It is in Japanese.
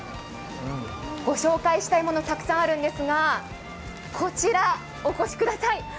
ご紹介したい物たくさんあるんですがこちら、お越しください。